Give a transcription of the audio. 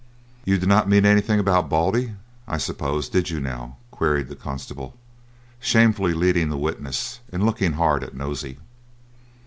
"You did not mean anything about Baldy, I suppose, did you, now?" queried the constable, shamefully leading the witness, and looking hard at Nosey.